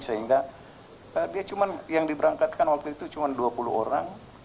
sehingga dia cuma yang diberangkatkan waktu itu cuma dua puluh orang